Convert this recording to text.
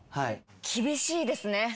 厳しいですね。